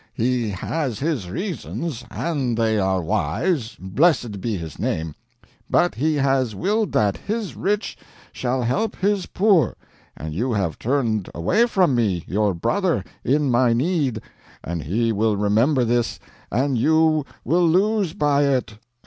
He has His reasons, and they are wise, blessed be His name. But He has willed that His rich shall help His poor, and you have turned away from me, your brother, in my need, and He will remember this, and you will lose by it."